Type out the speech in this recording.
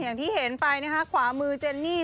อย่างที่เห็นไปนะคะขวามือเจนนี่